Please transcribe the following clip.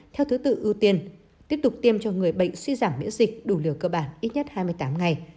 theo thứ tự ưu tiên tiếp tục tiêm cho người bệnh suy giảm miễn dịch đủ liều cơ bản ít nhất hai mươi tám ngày